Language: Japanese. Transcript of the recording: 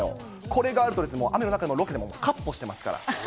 これがあると、もう雨の中のロケでもかっ歩してますから。